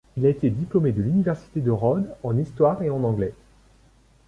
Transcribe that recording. Il a été diplômé de l'université Rhodes en histoire et en anglais.